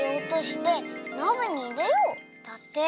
だって。